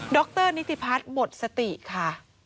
รนิติพัฒน์หมดสติค่ะ